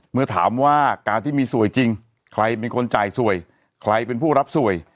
เมื่อถามว่าการที่มีสวยจริงใครเป็นคนจ่ายสวยใครเป็นผู้รับสวย